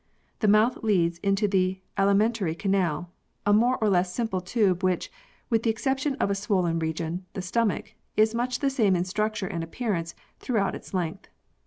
The mouth leads into the alimentary canal, a more or less simple tube, which, with the exception of a swollen region, the stomach, is much the same in structure and appearance throughout its length.